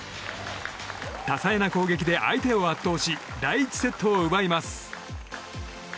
多彩な攻撃で相手を圧倒し第１セットを奪います。